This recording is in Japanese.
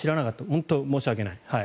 本当に申し訳ない。